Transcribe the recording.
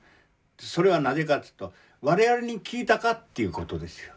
それはなぜかっつうと我々に聞いたかっていうことですよ。